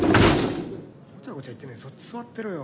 ごちゃごちゃ言ってねえでそっち座ってろよ。